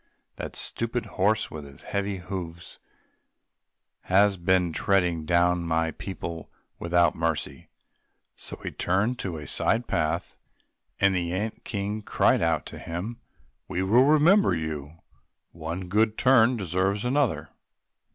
That stupid horse, with his heavy hoofs, has been treading down my people without mercy!" So he turned on to a side path and the ant king cried out to him, "We will remember you—one good turn deserves another!"